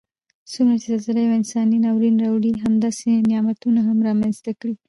څومره چې زلزله یو انساني ناورین راوړي همداسې نعمتونه هم رامنځته کړي